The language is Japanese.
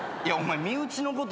身内のこと